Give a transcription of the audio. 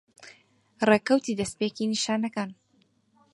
ڕێکەوتی دەستپێکی نیشانەکان